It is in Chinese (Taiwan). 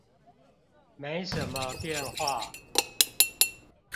沒什麼變化